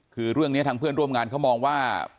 คือเรื่องนี้ทางเพื่อนร่วมงานเขามองว่า